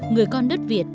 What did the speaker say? người con đất việt